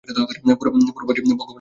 পুরো বাড়ি ভগবানের ছবি দিয়ে ভরা।